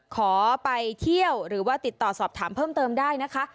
ขอไปเที่ยวหรือว่าติดต่อสอบถามเพิ่มเติมได้นะคะ